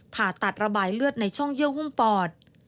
ผ่าตัดระบายเลือดในช่องเยื่อหุ้มปอด